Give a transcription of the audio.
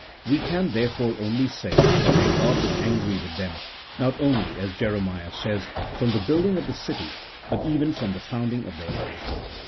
We can, there fore, only say that their God was angry with them, not only, as Jeremiah says, from the building of the city, but even from the founding of their laws.